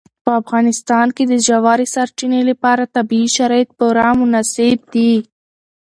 په افغانستان کې د ژورې سرچینې لپاره طبیعي شرایط پوره مناسب دي.